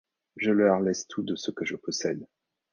Je leur laisse tout de que je possède...